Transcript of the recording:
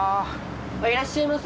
いらっしゃいませ！